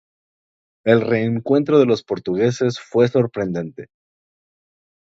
El reencuentro con los portugueses fue sorprendente.